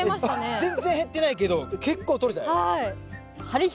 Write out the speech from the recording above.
全然減ってないけど結構とれたよ！